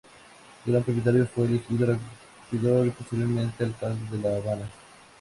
Gran propietario, fue elegido regidor y posteriormente, alcalde de La Habana.